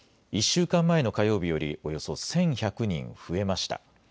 １週間前の火曜日よりおよそ１１００人増えました。